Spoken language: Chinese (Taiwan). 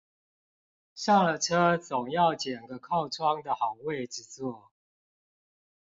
上了車總要揀個靠窗的好位置坐